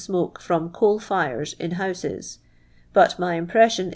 «moke from coal tires iii hou'cs : hut my impresjtion i